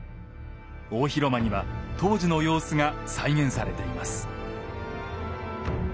大広間には当時の様子が再現されています。